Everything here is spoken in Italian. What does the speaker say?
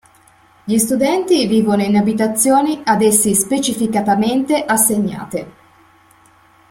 Gli studenti vivono in abitazioni ad essi specificatamente assegnate.